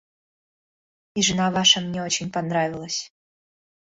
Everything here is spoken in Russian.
И жена Ваша мне очень понравилась.